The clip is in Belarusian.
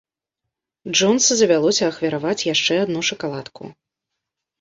Джонс завялося ахвяраваць яшчэ адну шакаладку.